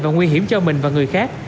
và nguy hiểm cho mình và người khác